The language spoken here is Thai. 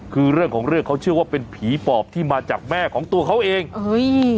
คือเรื่องของเรื่องเขาเชื่อว่าเป็นผีปอบที่มาจากแม่ของตัวเขาเองเฮ้ย